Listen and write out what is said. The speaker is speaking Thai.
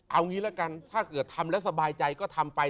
เอางี้ละกันถ้าเกิดทำแล้วสบายใจก็ทำไป